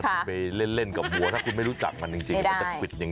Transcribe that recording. ค่ะไปเล่นเล่นกับบัวถ้าคุณไม่รู้จักมันจริงจริง